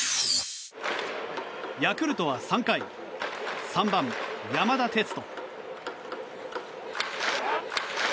ヤクルトは３回３番、山田哲人。